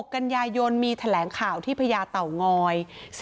๑๖กัญญายนมีแถลงข่าวที่พระยาเต่างอย